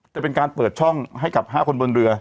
จะเป็นการเปิดช่องให้กับ๕คนบนเรือ